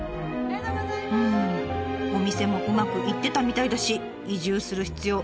うんお店もうまくいってたみたいだし移住する必要なくない？